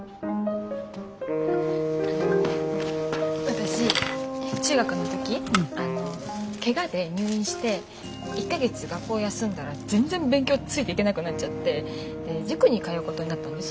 私中学の時けがで入院して１か月学校休んだら全然勉強ついていけなくなっちゃって塾に通うことになったんです。